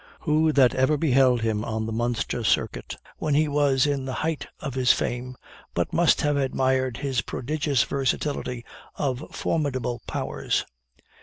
Who that ever beheld him on the Munster circuit, when he was in the height of his fame, but must have admired his prodigious versatility of formidable powers.